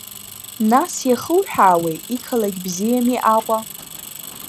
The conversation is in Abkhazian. Нас иахуҳәаауеи, иқалақь бзиами Аҟәа?